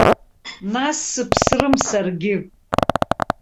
Нас сыԥсрым саргьы.